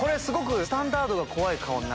スタンダードが怖い顔。